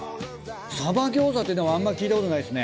サバ餃子ってあんまり聞いたことないですね。